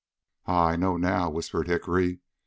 "Ha! I know now," whispered Hickory.